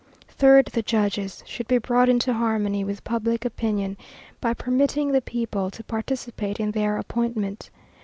Third, the judges should be brought into harmony with public opinion by permitting the people to participate in their appointment.